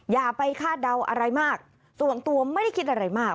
อย่าไปคาดเดาอะไรมากส่วนตัวไม่ได้คิดอะไรมาก